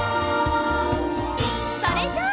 それじゃあ。